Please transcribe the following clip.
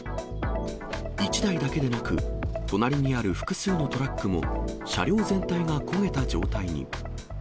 １台だけでなく、隣にある複数のトラックも、車両全体が焦げた状態に。